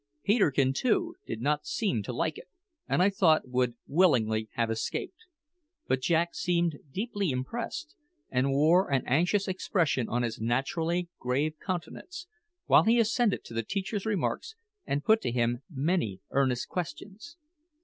Peterkin, too, did not seem to like it, and, I thought, would willingly have escaped. But Jack seemed deeply impressed, and wore an anxious expression on his naturally grave countenance, while he assented to the teacher's remarks, and put to him many earnest questions.